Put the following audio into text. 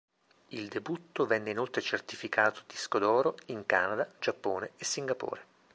Il debutto venne inoltre certificato disco d'oro in Canada, Giappone e Singapore.